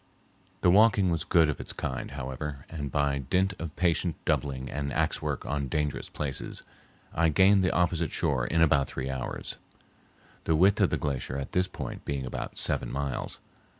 The walking was good of its kind, however, and by dint of patient doubling and axe work on dangerous places, I gained the opposite shore in about three hours, the width of the glacier at this point being about seven miles.